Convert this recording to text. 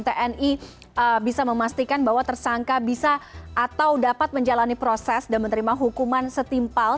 tni bisa memastikan bahwa tersangka bisa atau dapat menjalani proses dan menerima hukuman setimpal